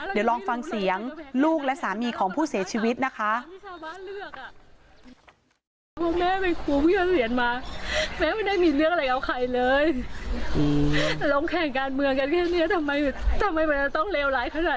เดี๋ยวลองฟังเสียงลูกและสามีของผู้เสียชีวิตนะคะ